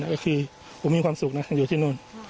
ก็คือผมมีความสุขนะท่านอยู่ที่นู่น